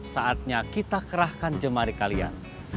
saatnya kita kerahkan jemari kalian